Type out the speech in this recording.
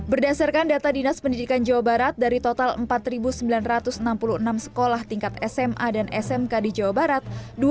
berdasarkan data dinas pendidikan jawa barat dari total empat sembilan ratus enam puluh enam sekolah tingkat sma dan smk di jawa barat